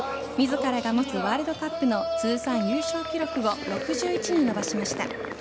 自らが持つワールドカップの通算優勝記録を６１に伸ばしました。